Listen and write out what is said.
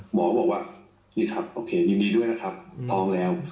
หมอบอกว่านี่ครับโอเคยินดีด้วยนะครับท้องแล้ว